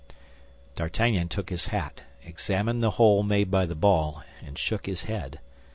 D'Artagnan took his hat, examined the hole made by the ball, and shook his head.